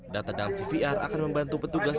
data dalam cvr akan membantu petugas